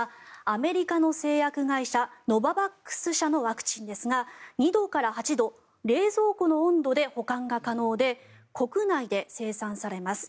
アメリカの製薬会社ノババックス社のワクチンですが２度から８度冷蔵庫の温度で保管が可能で国内で生産されます。